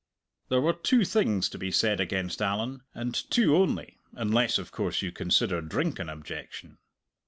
There were two things to be said against Allan, and two only unless, of course, you consider drink an objection.